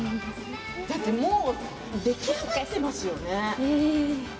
だってもう出来上がってますよね。